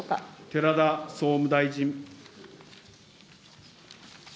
寺田総務大臣。